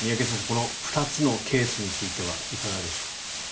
この２つのケースについてはいかがでしょうか。